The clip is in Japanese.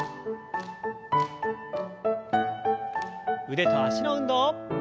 腕と脚の運動。